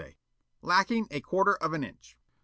Yollop: "Lacking a quarter of an inch."